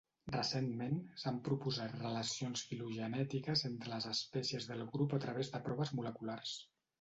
Recentment, s'han proposat relacions filogenètiques entre les espècies del grup a través de proves moleculars.